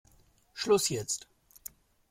Schluss jetzt!